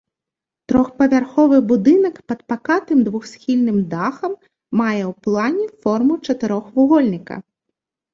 Трохпавярховы будынак пад пакатым двухсхільным дахам мае ў плане форму чатырохвугольніка.